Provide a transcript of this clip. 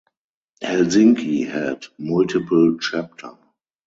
Helsinki had multiple chapter.